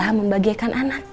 berusaha membahagiakan anak